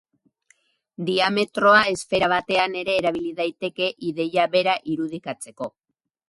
Diametroa esfera batean ere erabili daiteke ideia bera irudikatzeko.